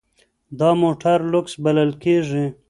دا موټر لوکس بلل کیږي.